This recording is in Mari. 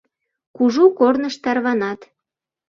Кужу корныш тарванат.